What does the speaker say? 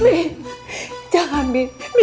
mimin jangan mimin